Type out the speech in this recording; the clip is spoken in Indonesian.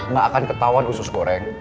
gak akan ketauan usus goreng